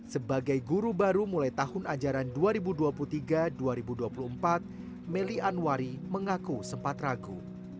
sebagai guru baru mulai tahun ajaran dua ribu dua puluh tiga dua ribu dua puluh empat meli anwari mengaku sempat ragu